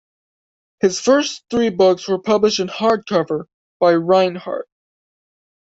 His first three books were published in hardcover by Rinehart.